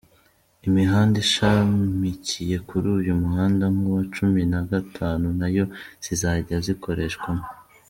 Imihanda ishamikiye kuri uyu muhanda nk’uwa Cumi na gatanu nayo zizajya zikoreshwamo.